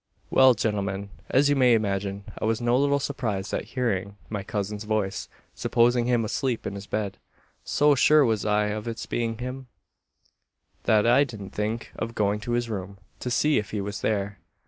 "Well, gentlemen; as you may imagine, I was no little surprised at hearing my cousin's voice supposing him asleep in his bed. So sure was I of its being him, that I didn't think of going to his room, to see if he was there.